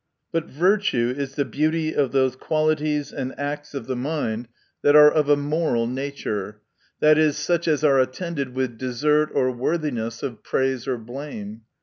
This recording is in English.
But virtue is the beauty* of those qualities and acts of the mind, that are of a moral nature, i. e., such as are attended with desert or worthiness of praise, or blame.